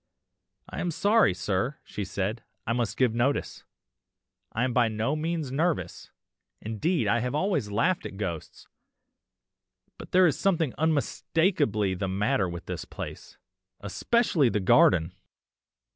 "'I am sorry, sir,' she said, 'I must give notice. I am by no means nervous, indeed I have always laughed at ghosts, but there is something unmistakably the matter with this place, especially the garden!